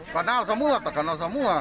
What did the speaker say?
kenal semua atau kenal semua